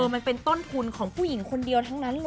มันเป็นต้นทุนของผู้หญิงคนเดียวทั้งนั้นเลย